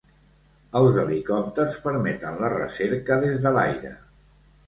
Els helicòpters permeten la recerca des de l'aire.